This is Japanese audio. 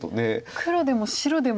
黒でも白でも。